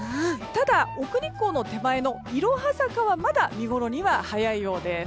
ただ、奥日光の手前のいろは坂はまだ見ごろには早いようです。